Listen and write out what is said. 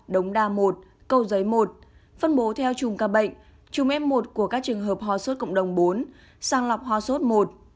đống đa một câu giấy một phân bố theo chùm ca bệnh chùm f một của các trường hợp hòa suất cộng đồng bốn sang lọc hòa suất một